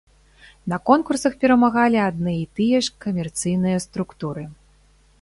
На конкурсах перамагалі адны і тыя ж камерцыйныя структуры.